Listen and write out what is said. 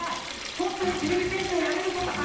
ほんとにてれび戦士をやめるポタか？